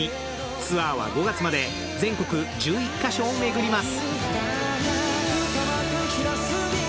ツアーは５月まで全国１１か所を巡ります。